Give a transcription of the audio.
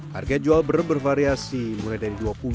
harga jual brem bervariasi mulai dari rp dua puluh